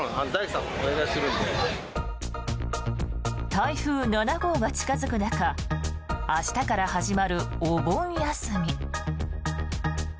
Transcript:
台風７号が近付く中明日から始まるお盆休み。